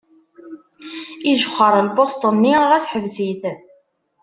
Ijexxer lpuṣt-nni, ɣas ḥbes-it.